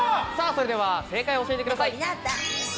それでは正解を教えてください。